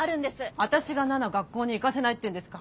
私が奈々学校に行かせないっていうんですか。